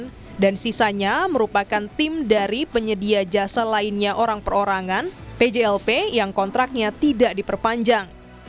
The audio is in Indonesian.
perusahaan dan sisanya merupakan tim dari penyedia jasa lainnya orang perorangan pjlp yang kontraknya tidak diperpanjang